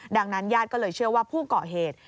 ดังนั้นญาติก็เลยเชื่อว่าผู้ก่อเหตุ